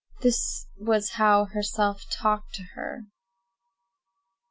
This was how herself talked to her.